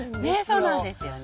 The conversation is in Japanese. そうなんですよね。